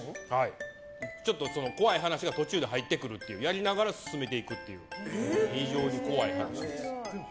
ちょっと怖い話が途中で入ってきてやりながら進めていくっていう非常に怖いやつ。